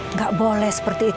nggak boleh seperti itu